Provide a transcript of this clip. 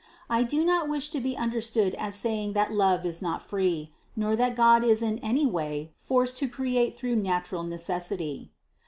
I do not wish to be understood as saying that love is not free, nor that God was in any way forced to create through natural necessity.